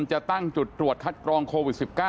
จะตั้งจุดตรวจคัดกรองโควิด๑๙